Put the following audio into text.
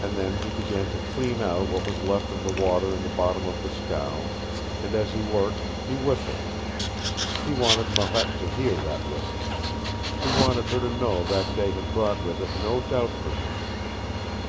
And then he began to clean out what was left of the water in the bottom of the scow, and as he worked he whistled. He wanted Marette to hear that whistle. He wanted her to know that day had brought with it no doubt for him.